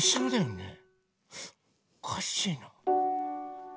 おかしいな。